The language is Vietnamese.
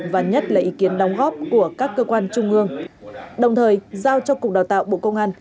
và nhất là ý kiến đóng góp của các cơ quan trung ương đồng thời giao cho cục đào tạo bộ công an